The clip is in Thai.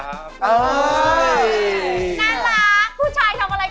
น้ารักผู้ชายทำอะไรก็ไม่ผิด